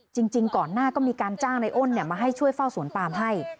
จริงก่อนหน้าก็มีการจ้างในอ้นมาให้ช่วยเฝ้าสวนปามให้